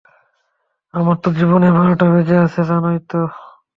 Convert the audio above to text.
আমার তো জীবনের বারোটা বেজে আছে, জানোই তো?